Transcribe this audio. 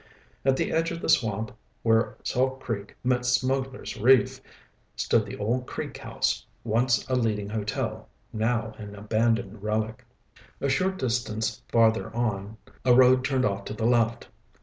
At the edge of the swamp where Salt Creek met Smugglers' Reef stood the old Creek House, once a leading hotel, now an abandoned relic. A short distance farther on, a road turned off to the left.